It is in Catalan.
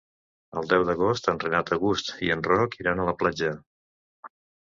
El deu d'agost en Renat August i en Roc iran a la platja.